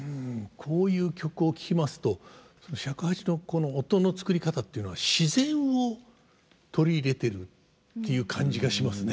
こういう曲を聴きますと尺八の音の作り方っていうのは自然を取り入れてるっていう感じがしますね。